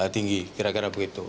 tinggi kira kira begitu